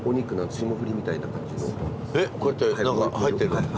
えっこうやって何か入ってる？